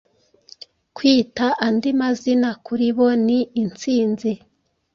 kwita Andi mazina kuri bo ni Intsinzi-